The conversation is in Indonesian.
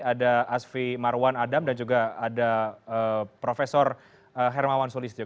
ada asfi marwan adam dan juga ada prof hermawan sulistyo